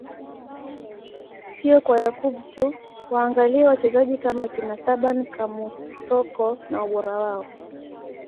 Sio kwa Yakub tu waangalie wachezaji kama kina Thaban Kamusoko na ubora wao